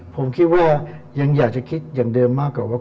ผมคิดว่ายังอยากจะคิดอย่างเดิมมากกว่าว่า